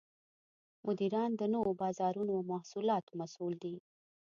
مدیران د نوو بازارونو او محصولاتو مسوول دي.